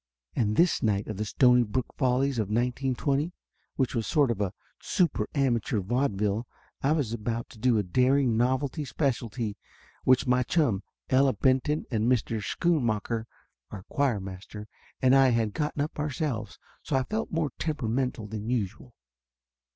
And this night of the Stonybrook Follies of 1920, which was a sort of super amateur vaudeville, I was about to do a daring novelty specialty which my chum Ella Benton and Mr. Schoonmacker, our choir master, and I had gotten up ourselves, so I felt more temperamental than usual.